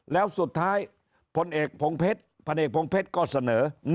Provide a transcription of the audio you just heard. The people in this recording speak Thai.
แล้วสุดท้ายพลเอกพงเพชรก็เสนอ